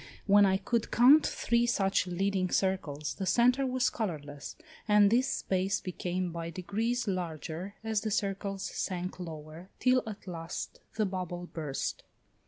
When I could count three such leading circles, the centre was colourless, and this space became by degrees larger as the circles sank lower, till at last the bubble burst.